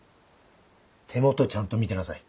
手元ちゃんと見てなさい。